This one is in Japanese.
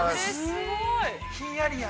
◆すごい。